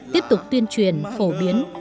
tiếp tục tuyên truyền phổ biến